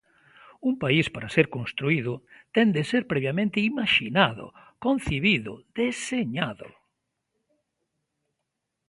Un país para ser construído ten de ser previamente imaxinado, concibido, deseñado.